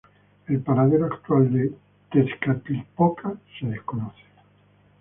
El paradero actual de Tezcatlipoca se desconoce.